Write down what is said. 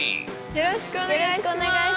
よろしくお願いします。